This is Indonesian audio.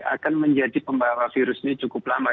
akan menjadi pembawa virus ini cukup lama